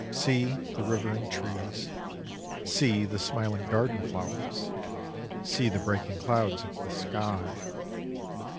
See the river and trees, see the smiling garden Forezvord xv flowers, see the breaking clouds of the sky.